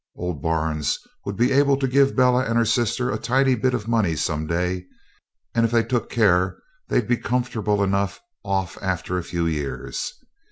Old Barnes would be able to give Bella and her sister a tidy bit of money some day, and if they took care they'd be comfortable enough off after a few years.